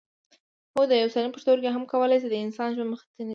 هو یو سالم پښتورګی هم کولای شي د انسان ژوند مخ ته یوسي